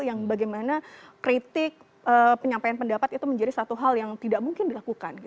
yang bagaimana kritik penyampaian pendapat itu menjadi satu hal yang tidak mungkin dilakukan